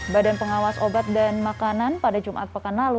badan pengawas obat dan makanan pada jumat pekan lalu